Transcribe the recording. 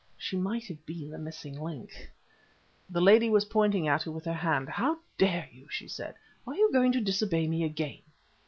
She might have been the missing link. The lady was pointing at her with her hand. "How dare you?" she said. "Are you going to disobey me again?